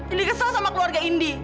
ini kesel sama keluarga indi